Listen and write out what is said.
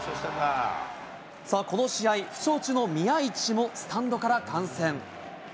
この試合、負傷中の宮市もスタンドから観戦。